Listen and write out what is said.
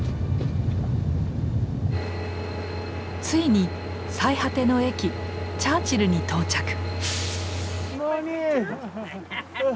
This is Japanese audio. ついに最果ての駅チャーチルに到着！